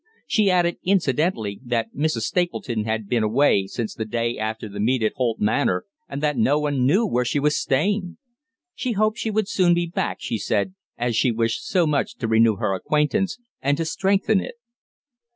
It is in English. She added incidentally that Mrs. Stapleton had been away since the day after the meet at Holt Manor, and that no one knew where she was staying. She hoped she would soon be back, she said, as she wished so much to renew her acquaintance, and to strengthen it.